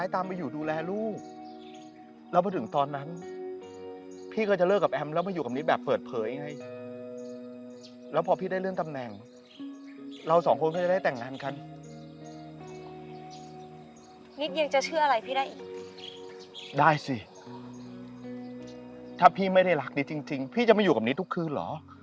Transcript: ถ้าพี่ไม่ได้รักนิดจริงพี่จะไม่อยู่กับนิดทุกคืนเหรอ